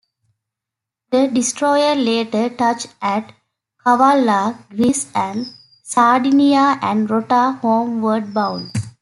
The destroyer later touched at Kavalla, Greece, and Sardinia and Rota, homeward bound.